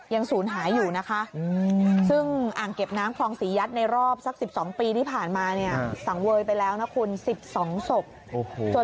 ยังศูนย์หายอยู่นะคะซึ่งอ่างเก็บน้ำพองศรียัดในรอบซักสิบสองปีที่ผ่านมาเนี้ยฮือสั่งเวยไปแล้วน่ะคุณสิบสองศพโอ้โห